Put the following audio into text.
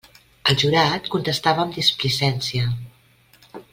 El jurat contestava amb displicència.